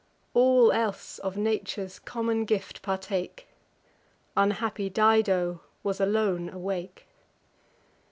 All else of nature's common gift partake: Unhappy Dido was alone awake.